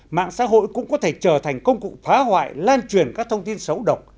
mạng xã hội cũng có thể trở thành công cụ phá hoại lan truyền các thông tin xấu độc